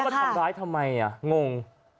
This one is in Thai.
แล้วมันทำร้ายทำไมอะงง